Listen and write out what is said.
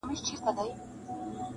دلته هره تيږه کاڼئ بدخشان دی!